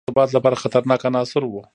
دوی د سلطنت د ثبات لپاره خطرناک عناصر وو.